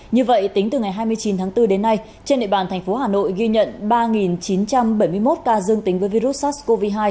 như vậy tính từ ngày hai mươi chín tháng bốn đến nay trên địa bàn thành phố hà nội ghi nhận ba chín trăm bảy mươi một ca dương tính với virus sars cov hai